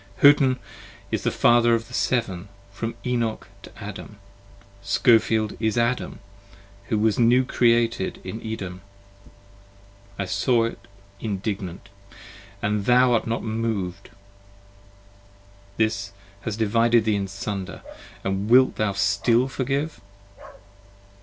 Hutn is the Father of the Seven 25 From Enoch to Adam: Schofield is Adam who was New Created in Edom. I saw it indignant, & thou art not moved! This has divided thee in sunder: and wilt thou still forgive?